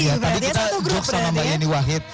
iya tadi kita joke sama mbak yeni wahid